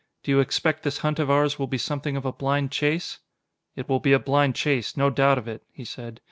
"Do you expect this hunt of ours will be something of a blind chase?" "It will be a blind chase, no doubt of it," he said.